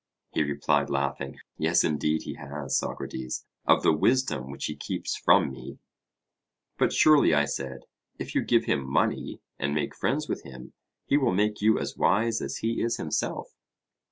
He replied, laughing: Yes, indeed he has, Socrates, of the wisdom which he keeps from me. But, surely, I said, if you give him money, and make friends with him, he will make you as wise as he is himself.